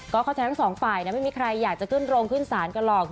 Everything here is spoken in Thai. ก็เพราะฉะนั้นทั้งสองฝ่ายไม่มีใครอยากจะขึ้นโรงขึ้นศาลก็หลอก